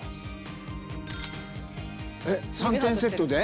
えっ３点セットで？